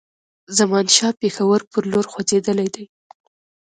زمانشاه پېښور پر لور خوځېدلی دی.